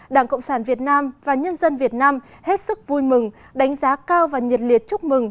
đảng cộng sản việt nam và nhân dân việt nam hết sức vui mừng đánh giá cao và nhiệt liệt chúc mừng